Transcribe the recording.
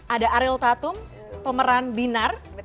ada ariel tatum pemeran binar